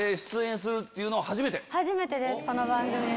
初めてですこの番組が。